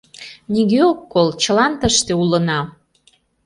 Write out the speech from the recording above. Нигӧ ок кол, чылан тыште улына!